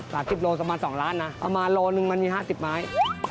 ๒ล้านนะประมาณลัวหนึ่งมันมี๕๐ไม้